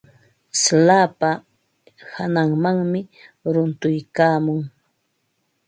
Slapa hananmanmi runtuykaamun.